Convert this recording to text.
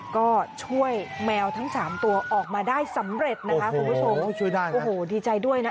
ก็ช่วยแมวทั้งสามตัวออกมาได้สำเร็จนะคะคุณผู้ชมโอ้โหดีใจด้วยนะ